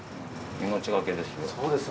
命がけですよ。